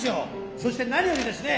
そして何よりですね